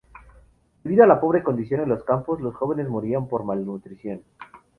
Debido a la pobre condición en los campos, los jóvenes morían por malnutrición.